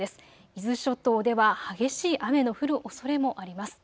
伊豆諸島では激しい雨の降るおそれもあります。